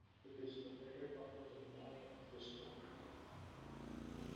It is located above the "Nord" district.